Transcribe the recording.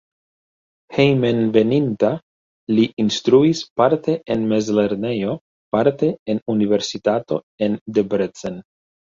Hejmenveninta li instruis parte en mezlernejo, parte en universitato en Debrecen.